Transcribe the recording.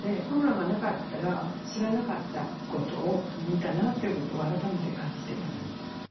コロナがなかったら知らなかったことを見たなということを改めて感じてます。